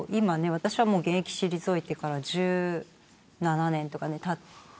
私はもう現役退いてから１７年とか経って。